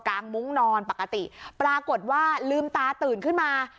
งมุ้งนอนปกติปรากฏว่าลืมตาตื่นขึ้นมา